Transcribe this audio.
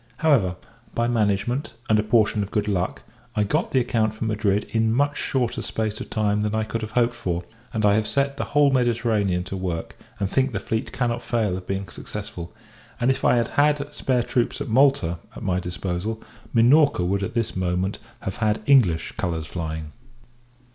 However, by management, and a portion of good luck, I got the account from Madrid in a much shorter space of time than I could have hoped for; and I have set the whole Mediterranean to work, and think the fleet cannot fail of being successful: and, if I had had the spare troops at Malta at my disposal, Minorca would at this moment have had English colours flying.